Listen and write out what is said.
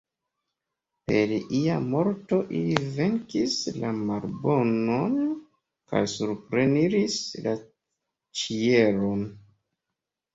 Per ilia morto ili venkis la malbonon kaj supreniris la ĉielon.